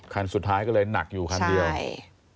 คันสุดท้ายก็เลยหนักอยู่คันเดียวใช่